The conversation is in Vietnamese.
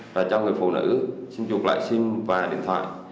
và cho người phụ nữ xin chụp lại sim và điện thoại